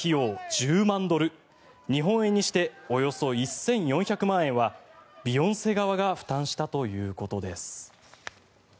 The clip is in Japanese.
１０万ドル日本円にしておよそ１４００万円はビヨンセ側が負担したということです。